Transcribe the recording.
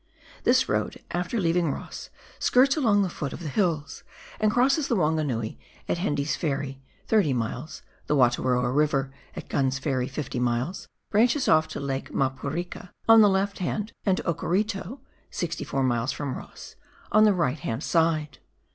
This road, after leaving Ross, skirts along the foot of the hills, and crosses the "Waganui at Hende's Ferry, 30 miles, the Wataroa River at Gunn's Ferry, 50 miles, and at 60 miles branches off to Lake Maporika on the left hand and to Okarito (64 miles from Ross) on the right hand side.